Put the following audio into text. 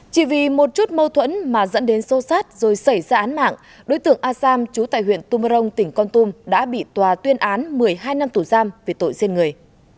chỉ vì một chút mâu thuẫn mà dẫn đến sâu sát rồi xảy ra án mạng đối tượng a sam chú tại huyện tumarong tỉnh con tum đã bị tòa tuyên án một mươi hai năm tù giam về tội giết người